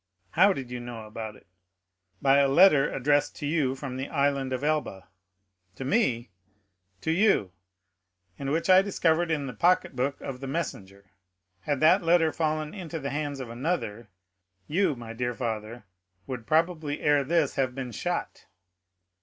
"How did you know about it?" "By a letter addressed to you from the Island of Elba." "To me?" "To you; and which I discovered in the pocket book of the messenger. Had that letter fallen into the hands of another, you, my dear father, would probably ere this have been shot."